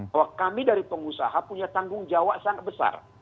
bahwa kami dari pengusaha punya tanggung jawab sangat besar